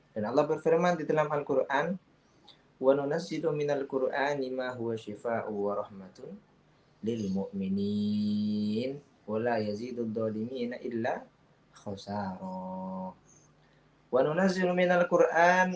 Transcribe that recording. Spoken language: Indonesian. dan allah berfirman di dalam al quran